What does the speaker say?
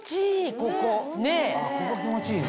ここ気持ちいいね。